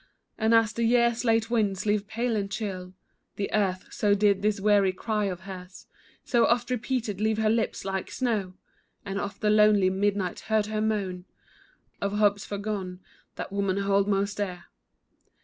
And as the year's late winds leave pale and chill The earth, so did this weary cry of hers So oft repeated leave her lips like snow. And oft the lonely midnight heard her moan Of hopes foregone, that women hold most dear.